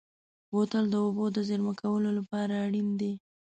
بوتل د اوبو د زېرمه کولو لپاره اړین دی.